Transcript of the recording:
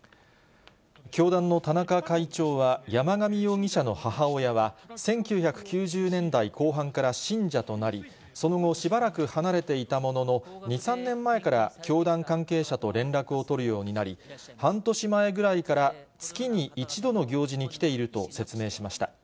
教団の田中会長は、山上容疑者の母親は、１９９０年代後半から信者となり、その後しばらく離れていたものの、２、３年前から教団関係者と連絡を取るようになり、半年前ぐらいから月に１度の行事に来ていると説明しました。